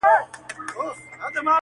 انصاف څه سو آسمانه زلزلې دي چي راځي!